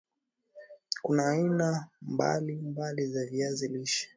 kuna aina mbali mbali za viazi lishe